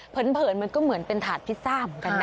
เผินมันก็เหมือนเป็นถาดพิซซ่าเหมือนกันนะ